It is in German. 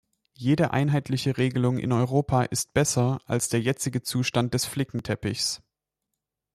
Jede einheitliche Regelung in Europa ist besser als der jetzige Zustand des Flickenteppichs.